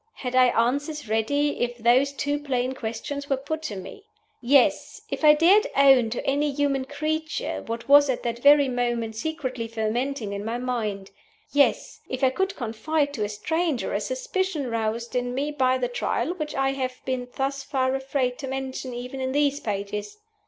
Had I answers ready if those two plain questions were put to me? Yes! if I dared own to any human creature what was at that very moment secretly fermenting in my mind. Yes! if I could confide to a stranger a suspicion roused in me by the Trial which I have been thus far afraid to mention even in these pages!